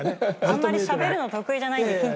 あんまりしゃべるの得意じゃないので緊張。